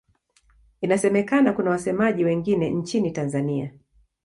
Inasemekana kuna wasemaji wengine nchini Tanzania.